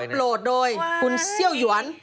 ถูกอัปโหลดโดยคุณเซี่ยวหยวน